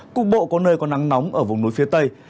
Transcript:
cục bộ có nơi có nắng nóng ở vùng núi phía tây